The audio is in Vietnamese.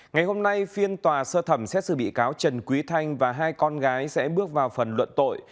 ngày hôm nay phiên tòa sơ thẩm xét xử bị cáo trần quý thanh và hai con gái sẽ bước vào phần luận tội